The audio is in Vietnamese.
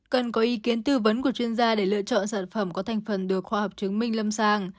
cần có ý kiến tư vấn của chuyên gia để lựa chọn sản phẩm có thành phần được khoa học chứng minh lâm sàng